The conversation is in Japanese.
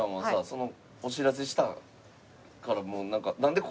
そのお知らせしたからもうなんか。